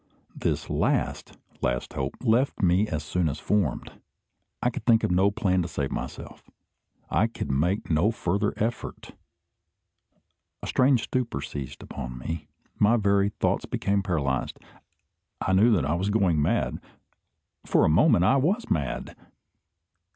This last last hope left me as soon as formed. I could think of no plan to save myself. I could make no further effort. A strange stupor seized upon me. My very thoughts became paralysed. I knew that I was going mad. For a moment I was mad!